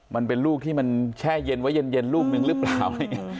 มันเป็นลูกที่มันแช่เย็นไว้เย็นลูกนึงหรือเปล่า